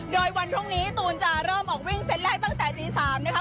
โดยวันพรุ่งนี้ตูนจะเริ่มออกวิ่งเซตแรกตั้งแต่ตี๓นะคะ